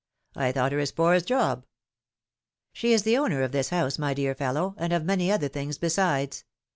I thought her as poor as Job ! She is the owner of this house, my dear fellow, and of many other things besides!